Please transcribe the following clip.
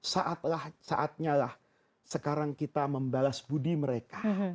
saatnya lah sekarang kita membalas budi mereka